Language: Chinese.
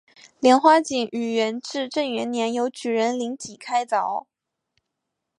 莲花井于元至正元年由举人林济开凿。